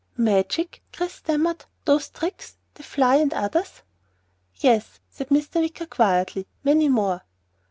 "Magic?" Chris stammered. "Those tricks the fly and others?" "Yes," said Mr. Wicker quietly. "Many more."